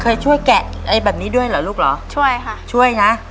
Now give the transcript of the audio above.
เคยช่วยแกะอะไรแบบนี้ด้วยเหรอลูกเหรอช่วยค่ะช่วยนะ